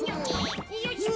よいしょ。